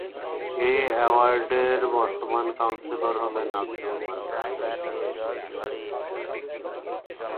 এ ওয়ার্ডের বর্তমান কাউন্সিলর হলেন আব্দুল মান্নান।